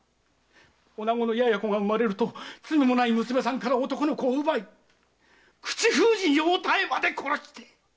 女子の稚児が産まれると罪のない娘さんから男の子を奪い口封じにお妙まで殺して！